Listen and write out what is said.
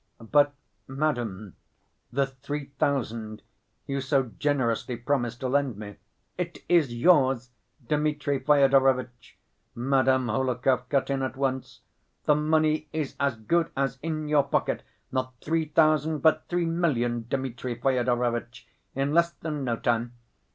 "But, madam, the three thousand you so generously promised to lend me—" "It is yours, Dmitri Fyodorovitch," Madame Hohlakov cut in at once. "The money is as good as in your pocket, not three thousand, but three million, Dmitri Fyodorovitch, in less than no time.